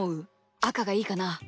あかがいいかな？